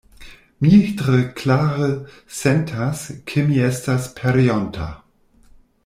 Mi tre klare sentas, ke mi estas pereonta.